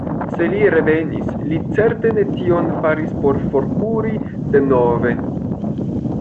Se li revenis, li certe ne tion faris por forkuri denove.